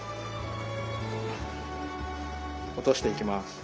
落としていきます。